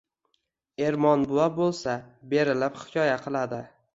Ermon buva bo‘lsa berilib hikoya qiladi.